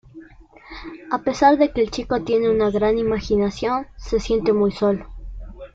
A pesar de que el chico tiene una gran imaginación, se siente muy solo.